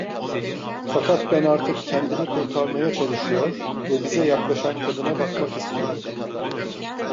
Fakat ben artık kendimi kurtarmaya çalışıyor ve bize yaklaşan kadına bakmak istiyordum.